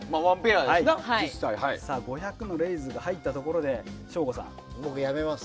５００のレイズが入ったところで僕、やめます。